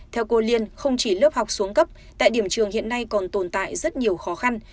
theo cô liên không chỉ lớp học xuống cấp tại điểm trường hiện nay còn tồn tại rất nhiều khó khăn